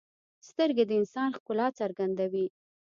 سترګې د انسان ښکلا څرګندوي